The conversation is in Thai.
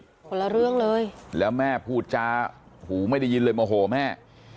คนละเรื่องเลยแล้วแม่พูดจาหูไม่ได้ยินเลยโมโหแม่